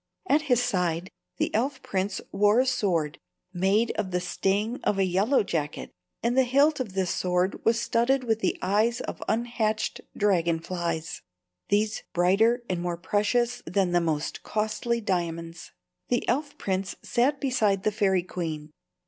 At his side the elf prince wore a sword made of the sting of a yellow jacket, and the hilt of this sword was studded with the eyes of unhatched dragon flies, these brighter and more precious than the most costly diamonds. The elf prince sat beside the fairy queen.